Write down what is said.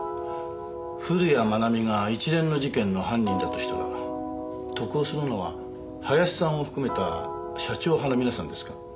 古谷愛美が一連の事件の犯人だとしたら得をするのは林さんを含めた社長派の皆さんですか？